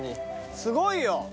すごいよ！